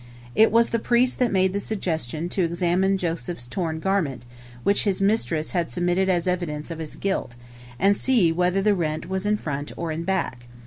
It was the priests that made the suggestion to examine Joseph's torn garment, which his mistress had submitted as evidence of his guilt, and see whether the rent was in front or in back.